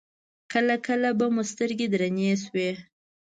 کله کله به مو سترګې درنې شوې.